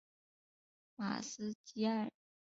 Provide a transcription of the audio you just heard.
马斯基埃。